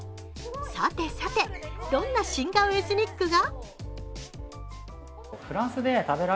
さてさて、どんな新顔エスニックが？